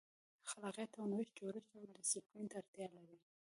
خلاقیت او نوښت جوړښت او ډیسپلین ته اړتیا لري.